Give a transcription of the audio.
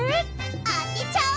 あてちゃおう。